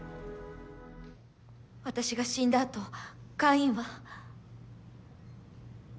私が死んだあとカインは。